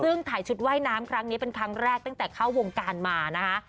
ซึ่งถ่ายชุดว่ายน้ำครั้งนี้เป็นครั้งแรกตั้งแต่เข้าวงการมานะคะ